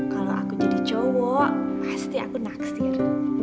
kalau aku jadi cowok pasti aku naksir